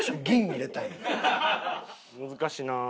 難しいな。